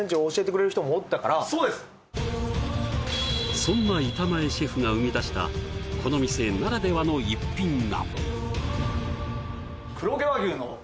そんな板前シェフが生み出したこの店ならではの逸品が！